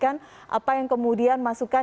nanti kita akan diskusikan apa yang kemudian masukkan